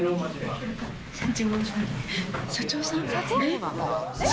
社長さん？